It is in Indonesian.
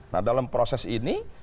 nah dalam proses ini